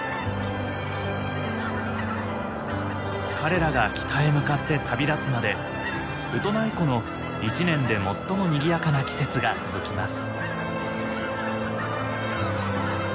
彼らが北へ向かって旅立つまでウトナイ湖の一年で最もにぎやかな季節が続きます。